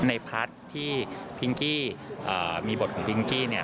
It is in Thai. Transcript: ในพาร์ทที่พิงกี้มีบทของพิงกี้เนี่ย